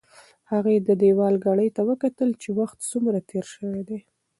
هغې د دېوال ګړۍ ته وکتل چې وخت څومره تېر شوی دی.